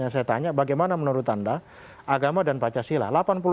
saya tanya bagaimana menurut anda agama dan pancasila